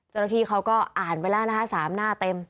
จนทีเขาก็อ่านไว้แล้วนะครับสามหน้าเต็ม